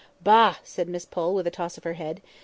"Bah!" said Miss Pole, with a toss of her head.